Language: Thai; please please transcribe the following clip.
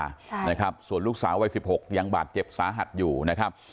ใช่นะครับส่วนลูกสาววัยสิบหกยังบาดเจ็บสาหัสอยู่นะครับ